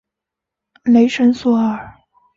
雷神索尔。